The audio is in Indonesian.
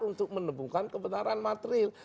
untuk menemukan kebenaran materil